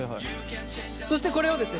そしてこれをですね